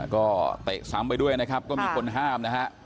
ก็เตะซ้ำไปด้วยนะครับก็มีคนห้ามนะฮะ